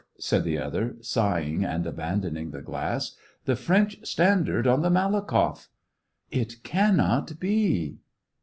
" said the other, sighing and abandoning the glass. The French standard on the Malakoff !" "It cannot be!"